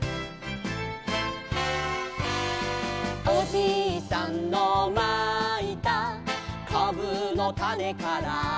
「おじいさんのまいたかぶのたねから」